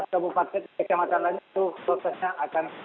empat belas kabupaten di kecamatan lain itu prosesnya akan